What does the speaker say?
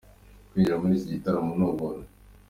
Kwinjira muri iki gitaramo ni ubuntu.